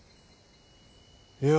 いや。